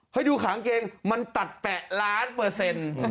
ให้ดูขางเกงมันตัดแปะล้านเปอร์เซ็นต์